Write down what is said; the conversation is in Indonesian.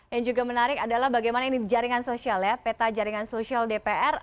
yang juga menarik adalah bagaimana ini jaringan sosial ya peta jaringan sosial dpr